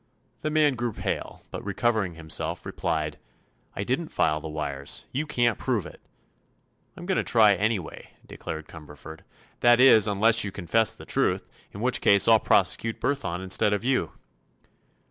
The man grew pale, but recovering himself replied: "I didn't file the wires. You can't prove it." "I'm going to try, anyway," declared Cumberford. "That is, unless you confess the truth, in which case I'll prosecute Burthon instead of you."